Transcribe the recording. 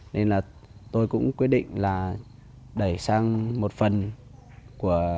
nên là tôi cũng quyết định là đẩy sang một phần của